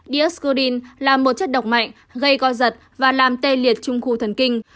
dioscorin là một chất độc mạnh gây coi giật và làm tê liệt trung khu thần kinh